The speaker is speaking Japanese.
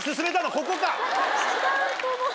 違うと思う。